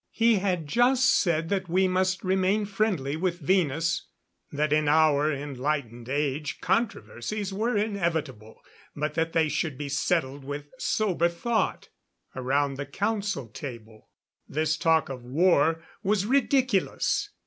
He had just said that we must remain friendly with Venus; that in our enlightened age controversies were inevitable, but that they should be settled with sober thought around the council table. This talk of war was ridiculous.